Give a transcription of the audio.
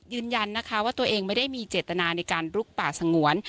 ยืนยันนะคะว่าตัวเองไม่ได้มีเจตนาในการลุกป่าสงวน